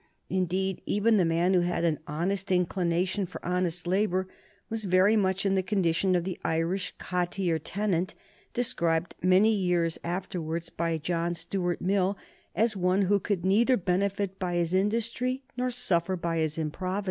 Indeed, even the man who had an honest inclination for honest labor was very much in the condition of the Irish cottier tenant, described many years afterwards by John Stuart Mill as one who could neither benefit by his industry nor suffer by his improvidence.